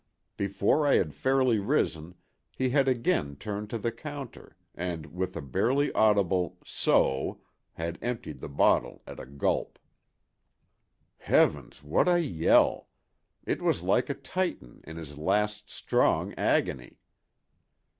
Before I had fairly risen, he had again turned to the counter, and with a barely audible "so," had emptied the bottle at a gulp. Heavens! what a yell! It was like a Titan in his last, strong agony.